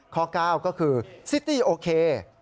ข้อ๙ก็คือซิตี้โอเค